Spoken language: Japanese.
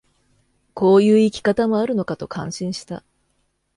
こういう生き方もあるのかと感心した